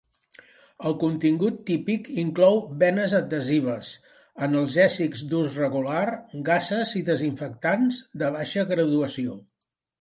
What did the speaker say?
El contingut típic inclou benes adhesives, analgèsics d'ús regular, gases i desinfectants de baixa graduació.